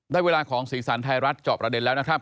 ได้เวลาของสีสันไทยรัฐจอบประเด็นแล้วนะครับ